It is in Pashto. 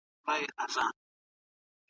د پلار کره د تګ لپاره مهالويش څنګه جوړيږي؟